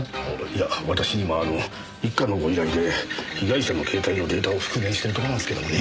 いや私今一課のご依頼で被害者の携帯のデータを復元してるところなんですけどもね。